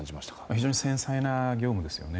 非常に繊細な業務ですよね。